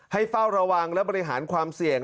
เฝ้าระวังและบริหารความเสี่ยง